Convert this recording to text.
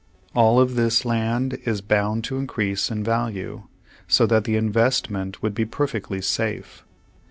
All of this land is bound to increase in value, so that the investment would be perfectly safe.